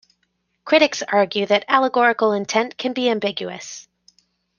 Critics argue that allegorical intent can be ambiguous.